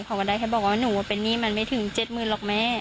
เขาก็ได้แค่บอกว่าหนูว่าเป็นนี่มันไม่ถึงเจ็ดหมื่นหรอกแม่